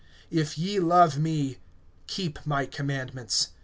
(15)If ye love me, keep my commandments.